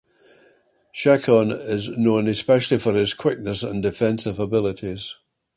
Sekhon is known especially for his quickness and defensive abilities.